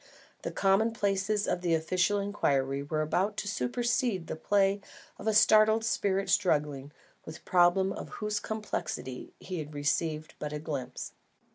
The commonplaces of an official inquiry were about to supersede the play of a startled spirit struggling with a problem of whose complexities he had received but a glimpse.